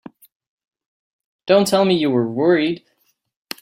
Don't tell me you were worried!